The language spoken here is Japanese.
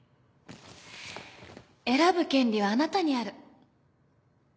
選ぶ権利はあなたにある。